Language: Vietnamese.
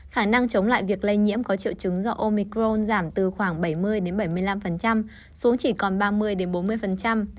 khả năng chống lại việc lây nhiễm có triệu chứng do omicron giảm từ khoảng bảy mươi đến bảy mươi năm xuống chỉ còn ba mươi đến bốn mươi